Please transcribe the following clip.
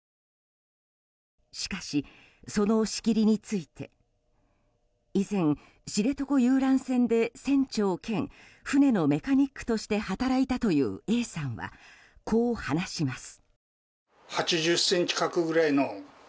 しかし、その仕切りについて以前、知床遊覧船で船長兼船のメカニックとして働いたというＡさんは、こう話します。